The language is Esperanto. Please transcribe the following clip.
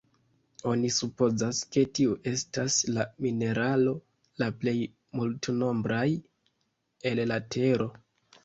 Oni supozas, ke tiu estas la mineralo la plej multnombraj el la tero.